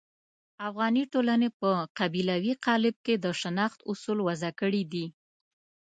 افغاني ټولنې په قبیلوي قالب کې د شناخت اصول وضع کړي دي.